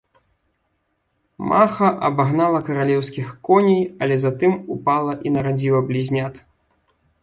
Маха абагнала каралеўскіх коней, але затым ўпала і нарадзіла блізнят.